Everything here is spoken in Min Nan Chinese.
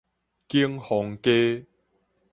景豐街